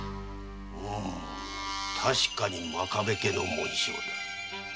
確かに真壁家の紋章だ。